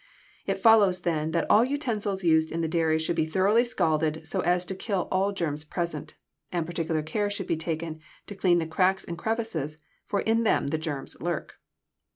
It follows, then, that all utensils used in the dairy should be thoroughly scalded so as to kill all germs present, and particular care should be taken to clean the cracks and crevices, for in them the germs lurk.